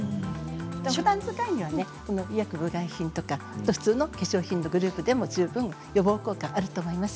ふだん使いには医薬部外品とか普通の化粧品のグループでも十分予防効果があると思います。